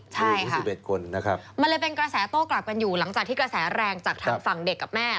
ใช่ค่ะ๑๑คนนะครับมันเลยเป็นกระแสโต้กลับกันอยู่หลังจากที่กระแสแรงจากทางฝั่งเด็กกับแม่